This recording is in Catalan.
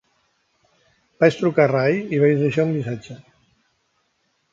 Vaig trucar a Rye i vaig deixar un missatge.